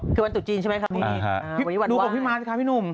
คือวันสุดจีนใช่ไหมครับพรุ่งนี้วันว่ายดูกับพี่มาสค่ะพี่หนุ่ม